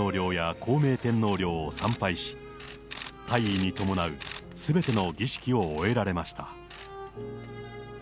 明治天皇陵やこうめい天皇陵を参拝し、退位に伴うすべての儀式を終えられました。